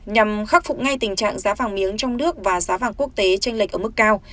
nhằm khắc phục ngay tình trạng giá vàng miếng trong nước và giá vàng quốc tế tranh lệch ở mức cao